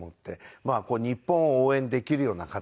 まあ日本を応援できるような形というか。